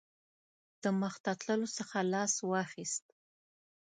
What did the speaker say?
د مخته تللو څخه لاس واخیست.